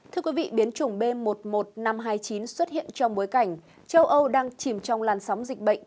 thưa quý vị biến chủng b một mươi một nghìn năm trăm hai mươi chín xuất hiện trong bối cảnh châu âu đang chìm trong làn sóng dịch bệnh